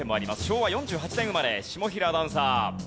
昭和４８年生まれ下平アナウンサー。